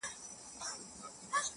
• ټول بکواسیات دي،